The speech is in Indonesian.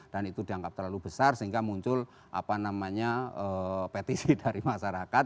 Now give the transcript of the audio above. dan itu dianggap terlalu besar sehingga muncul apa namanya petisi dari masyarakat